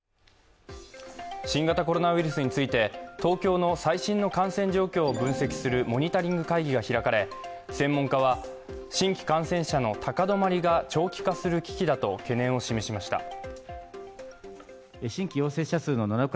新型コロナウイルスについて、東京の最新の感染状況を分析するモニタリング会議が開かれ、専門家は新規感染者の高止まりが長期化する危機だと懸念を示しました。